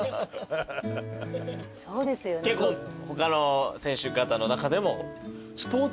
結構他の選手方の中でも？